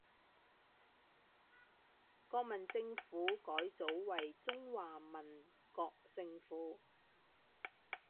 国民政府改组为中华民国政府。